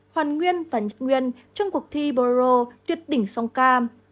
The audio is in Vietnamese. hoàn nguyên và nhật nguyên trong cuộc thi boro tuyệt đỉnh song cam